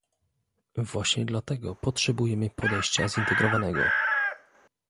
Właśnie dlatego potrzebujemy podejścia zintegrowanego